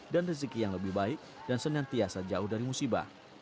dan rezeki yang lebih baik dan senantiasa jauh dari musibah